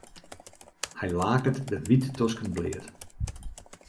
Hy laket de wite tosken bleat.